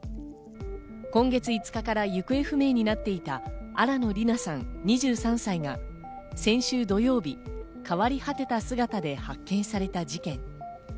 今月５日から行方不明になっていた新野りなさん、２３歳が先週土曜日、変わり果てた姿で発見された事件。